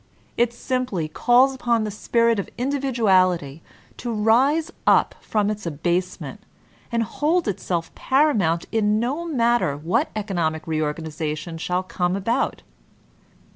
It simply calls upon the spirit of individuality to rise up from its abasement^ and hold itself paramount in no matter what economic reorgan ization shall come about.